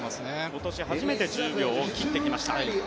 今年初めて１０秒を切ってきました。